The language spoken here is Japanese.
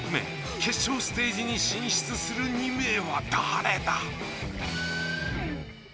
決勝ステージに進出する２名は誰だ？